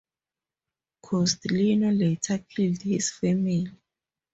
Costilino later killed his family.